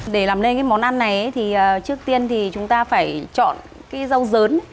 để làm nên cái món ăn này thì trước tiên thì chúng ta phải chọn cái rau dớn